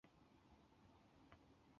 本科鱼体长椭圆形而侧扁。